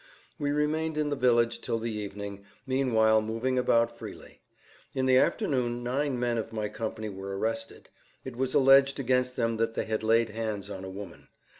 We remained in the village till the evening, meanwhile moving about freely. In the afternoon nine men of my company were arrested; it was alleged against them that they had laid hands on a woman.